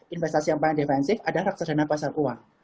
investasi yang paling defensif adalah raksadana pasar uang